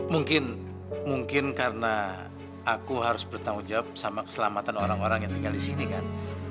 mungkin mungkin karena aku harus bertanggung jawab sama keselamatan orang orang yang tinggal di sini kan